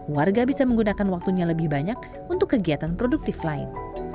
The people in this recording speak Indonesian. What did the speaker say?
warga bisa menggunakan waktunya lebih banyak untuk kegiatan produktif lain